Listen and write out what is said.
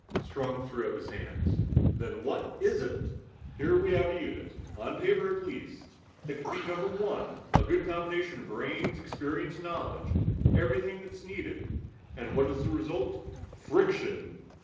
Strong threw up his hands. "Then what is it? Here we have a unit, on paper at least, that could be number one. A good combination of brains, experience and knowledge. Everything that's needed. And what is the result? Friction!"